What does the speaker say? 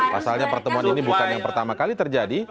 dua ratus dua belas pasalnya pertemuan ini bukan yang pertama kali terjadi